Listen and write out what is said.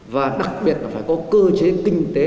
và đặc biệt là phải có cơ chế kinh tế